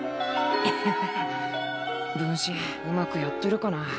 分身うまくやってるかな。